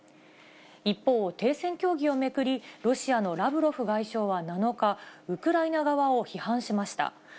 一方、停戦協議を巡り、ロシアのラブロフ外相は７日、ウクライナ側を批判しました。